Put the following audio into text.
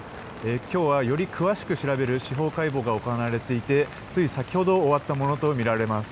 今日はより詳しく調べる司法解剖が行われていてつい先ほど終わったものとみられます。